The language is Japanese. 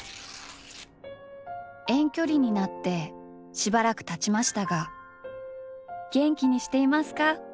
「遠距離になってしばらく経ちましたが元気にしていますか？